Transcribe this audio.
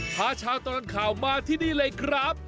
พาชาวตลอดข่าวมาที่นี่เลยครับ